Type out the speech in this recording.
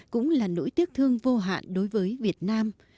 cũng là nỗi tiếc thương vô hạn đối với việt nam